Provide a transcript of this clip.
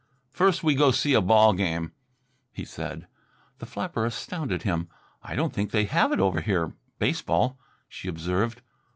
"First we go see a ball game," he said. The flapper astounded him. "I don't think they have it over here baseball," she observed.